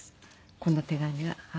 この手紙が。